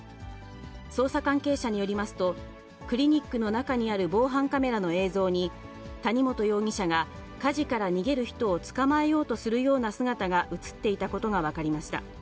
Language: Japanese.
捜査関係者によりますと、クリニックの中にある防犯カメラの映像に、谷本容疑者が、火事から逃げる人を捕まえようとするような姿が写っていたことが分かりました。